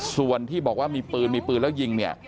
ส่วนที่บอกว่ามีปืนมีปืนแล้วยิงเนี่ย